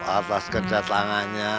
atas kerja tangannya